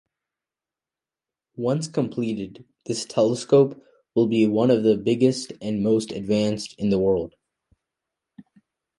Once completed, this telescope will be one of the biggest and most advanced in the world.